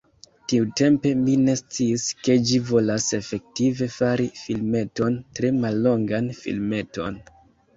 Tiutempe, mi ne sciis ke ĝi volas efektive, fari filmeton, tre mallongan filmeton.